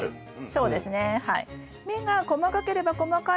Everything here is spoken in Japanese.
そうですね。